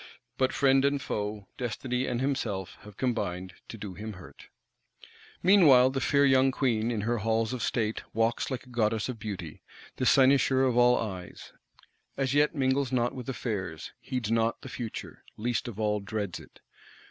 But friend and foe, destiny and himself have combined to do him hurt. Meanwhile the fair young Queen, in her halls of state, walks like a goddess of Beauty, the cynosure of all eyes; as yet mingles not with affairs; heeds not the future; least of all, dreads it.